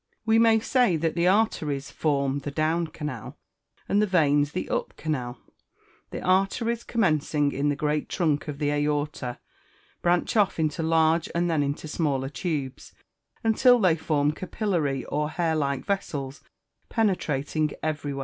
We may say that the arteries form the down canal, and the veins the up canal. The arteries, commencing in the great trunk of the aorta, branch off into large and then into smaller tubes, until they form capillary or hair like vessels, penetrating everywhere.